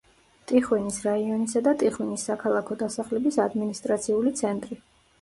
ტიხვინის რაიონისა და ტიხვინის საქალაქო დასახლების ადმინისტრაციული ცენტრი.